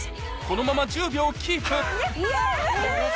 このまま１０秒キープいや！